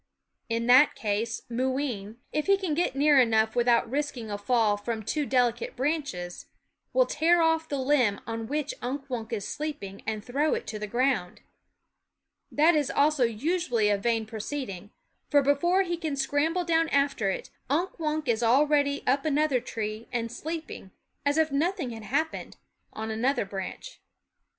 In that case Moo ween, if he can get near enough without risking a fall from too delicate branches, will tear off the limb on which Unk Wunk is sleeping and throw it to the ground. That also is usually a vain proceeding ; for before he can scramble down after it, Unk Wunk is already up another tree and sleeping, as if nothing had happened, on another branch.